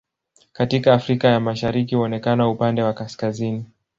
Katika Afrika ya Mashariki huonekana upande wa kaskazini.